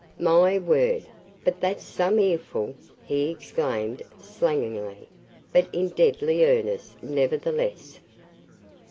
"My word! but that 's some earful!" he exclaimed slangily, but in deadly earnest, nevertheless.